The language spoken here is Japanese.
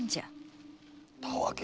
たわけ。